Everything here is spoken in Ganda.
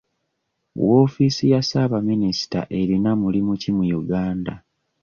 Woofiisi ya ssaabaminisita erina mulimu ki mu Uganda?